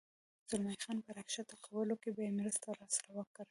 زلمی خان په را کښته کولو کې به یې مرسته راسره وکړې؟